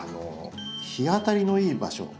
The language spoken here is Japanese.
日当たりのいい場所